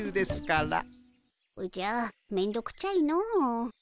おじゃめんどくちゃいの。